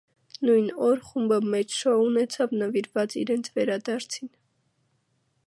Նույն օր խումբը մեծ շոու ունեցավ նվիրված իրենց վերադարձին։